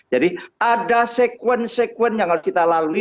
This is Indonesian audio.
jadi ada sekuen sekuen yang harus kita lalui